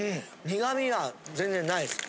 苦味が全然ないです。